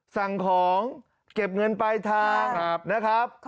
สั่งของเก็บเงินปลายทางนะครับ